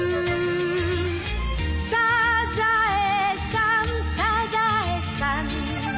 「サザエさんサザエさん」